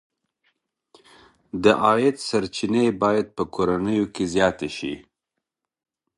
د عاید سرچینې باید په کورنیو کې زیاتې شي.